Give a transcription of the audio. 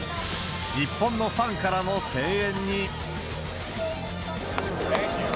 日本のファンからの声援に。